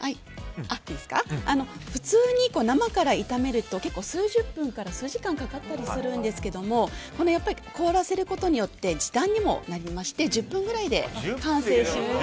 普通に生から炒めると数十分から数時間かかったりするんですけども凍らせることによって時短にもなりまして１０分くらいで完成します。